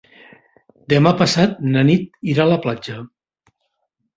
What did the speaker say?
Demà passat na Nit irà a la platja.